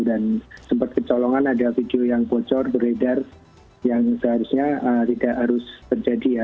dan sempat kecolongan ada video yang bocor beredar yang seharusnya tidak harus terjadi ya